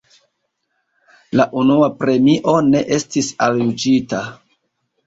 La unua premio ne estis aljuĝita.